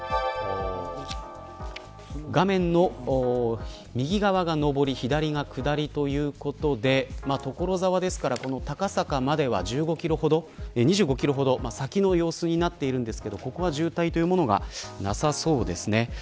画面の右側が上り左側が下りということで所沢ですから高坂までは１５キロ、２５キロほど先の様子になっていますがここは渋滞はなさそうです。